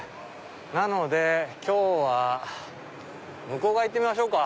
なので今日は向こう側行ってみましょうか。